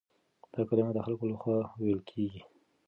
دا کلمه د خلکو له خوا ويل کېږي.